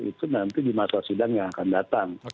itu nanti di masa sidang yang akan datang